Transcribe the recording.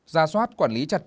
ra soát quản lý chặt chẽ